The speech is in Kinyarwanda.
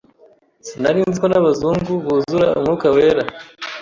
sinarinziko n’abazungu buzura umwuka wera